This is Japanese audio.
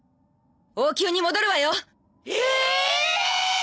王宮に戻るわよエエッ！